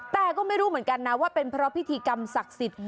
แต่ก็ไม่รู้เหมือนกันนะว่าเป็นเพราะพิธีกรรมศักดิ์สิทธิ์